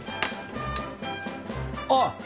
あっ！